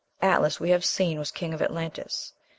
Atlas, we have seen, was king of Atlantis.